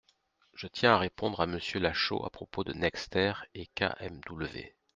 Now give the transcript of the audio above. Je tiens à répondre à Monsieur Lachaud à propos de Nexter et KMW.